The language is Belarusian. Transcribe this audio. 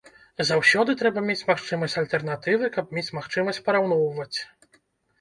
Заўсёды трэба мець магчымасць альтэрнатывы, каб мець магчымасць параўноўваць.